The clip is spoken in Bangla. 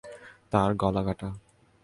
তার গলা কাটা!